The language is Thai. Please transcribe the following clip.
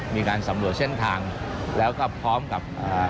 มีการสำรวจเส้นทางแล้วก็พร้อมกับอ่า